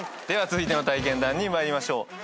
では続いての体験談に参りましょう。